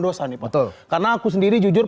dosa nih pak karena aku sendiri jujur